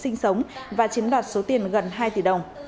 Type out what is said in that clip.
sinh sống và chiếm đoạt số tiền gần hai tỷ đồng